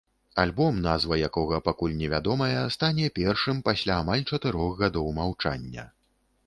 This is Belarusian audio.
Альбом, назва якога пакуль невядомая, стане першым пасля амаль чатырох гадоў маўчання.